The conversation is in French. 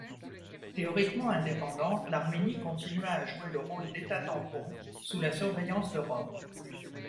Théoriquement indépendante, l’Arménie continua à jouer le rôle d’État-tampon sous la surveillance de Rome.